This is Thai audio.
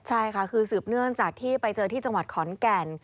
ใช่ค่ะคือสืบเนื่องจากที่ไปเจอที่จังหวัดขอนแก่น